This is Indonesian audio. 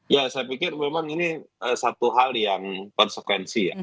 ya saya pikir memang ini satu hal yang konsekuensi ya